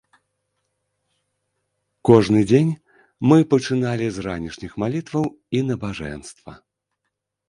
Кожны дзень мы пачыналі з ранішніх малітваў і набажэнства.